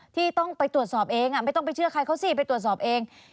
ที่ต้องไปตรวจสอบเองไม่ต้องไปเชื่อใครเขาสิไปตรวจสอบเอง